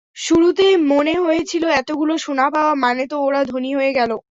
শুরুতে মনে হয়েছিল, এতগুলো সোনা পাওয়া মানে তো ওরা ধনী হয়ে গেল।